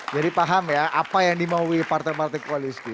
jadi paham ya apa yang dimaui partai partai kuali ski